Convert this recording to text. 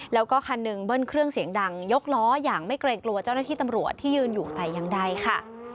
แล้วก็คันหนึ่งเบิ้ลเครื่องเสียงดังยกล้ออย่างไม่เกรงกลัวเจ้าหน้าที่ตำรวจที่ยืนอยู่แต่อย่างใดค่ะ